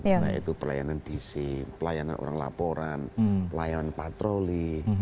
yaitu pelayanan disim pelayanan orang laporan pelayanan patroli